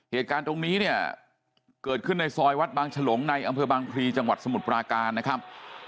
เหตุการณ์ตรงนี้เนี่ยเกิดขึ้นในซอยวัดบางฉลงในอำเภอบางพลีจังหวัดสมุทรปราการนะครับ